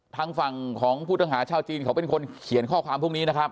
ทางฝั่งของผู้ต้องหาชาวจีนเขาเป็นคนเขียนข้อความพวกนี้นะครับ